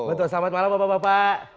betul selamat malam bapak bapak